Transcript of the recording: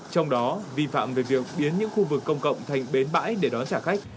trong đó vi phạm về việc biến những khu vực công cộng thành bến bãi để đón trả khách